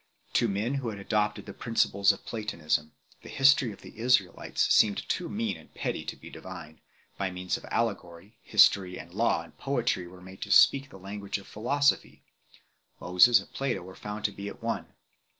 To men who had adopted the principles of Platonism, the history of the Israelites seemed too mean and petty to be divine; by means of allegory, history and law and poetry were made to speak the language of philosophy; Moses and Plato were found to be at one.